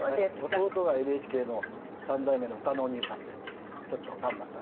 弟がＮＨＫの３代目の歌のお兄さんでちょっと頑張った。